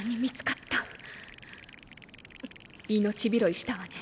命拾いしたわね。